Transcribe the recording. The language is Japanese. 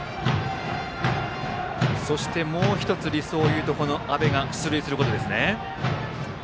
そしてもう１つ理想を言うとこの阿部が出塁することですね。